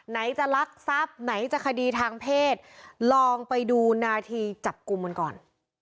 ไหนจะลักทรัพย์ไหนจะคดีทางเพศลองไปดูนาทีจับกลุ่มมันก่อน